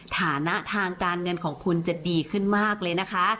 ฐานะทางการเงินของคุณจะดีขึ้นมากเลยนะคะ